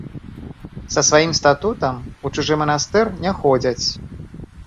Са сваім статутам у чужы манастыр не ходзяць.